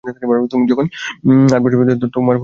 তুমি যখন আট বছর বয়সে ছিলে, তোমার একটা ফিল্মের পোষাক ছিল।